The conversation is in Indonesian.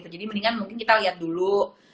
jadi mendingan mungkin kita liat dulu